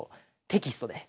テキストで。